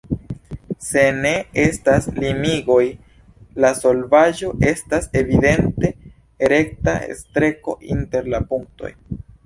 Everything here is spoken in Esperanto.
Se ne estas limigoj, la solvaĵo estas evidente rekta streko inter la punktoj.